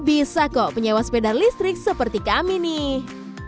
bisa kok penyewa sepeda listrik seperti kami nih